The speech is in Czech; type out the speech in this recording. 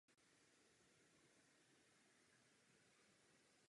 Na několika místech jsou chráněna původní luční a lesní společenstva.